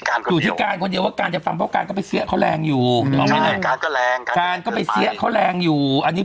ก็ให้มันจบไปอะไรอย่างนี้